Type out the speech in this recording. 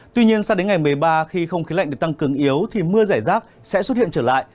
tuy nhiên sang đến ngày một mươi ba khi không khí lạnh được tăng cường yếu thì mưa giải rác sẽ xuất hiện trở lại